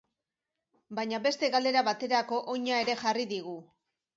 Baina beste galdera baterako oina ere jarri digu.